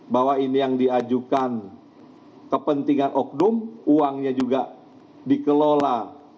bahwa ini yang diajukan kepentingan oknum uangnya juga dikelola